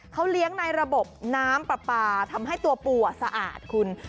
เขาเลี้ยงในระบบน้ำปลาปลาทำให้ตัวปูสะอาดคุณ